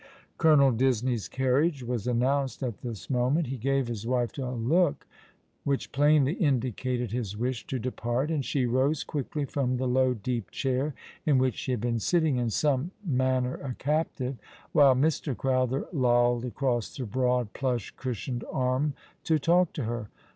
Colonel Disney's carriage was announced at this moment. He gave his wife a look which plainly indicated his wish to depart, and she rose quickly from the low, deep chair in which she had been sitting, in some manner a captive, while 124 ^^'^ along the River, Mr. Crowther lolled across the broad, plusli cusliioned arm to talk to her.